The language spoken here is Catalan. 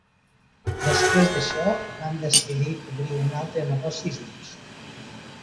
Després d'això, van decidir obrir un altre negoci junts.